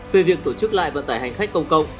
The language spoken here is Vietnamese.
về việc tổ chức lại vận tải hành khách công cộng